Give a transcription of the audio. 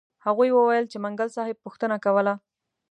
هغوی وویل چې منګل صاحب پوښتنه کوله.